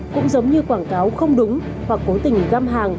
cũng giống như quảng cáo không đúng hoặc cố tình găm hàng